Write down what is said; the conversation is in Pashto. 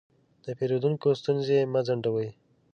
د پیرودونکو ستونزې مه ځنډوئ.